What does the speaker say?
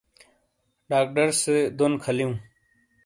ڈاکڈر سے دون کھلیوں